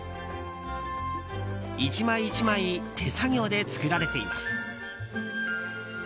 １枚１枚手作業で作られています。